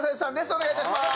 お願いいたします！